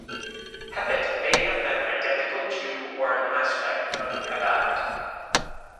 Hepit may have been identical to or an aspect of Hebat.